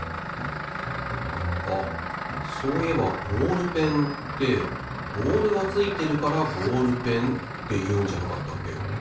あっそういえばボールペンってボールがついてるからボールペンっていうんじゃなかったっけ？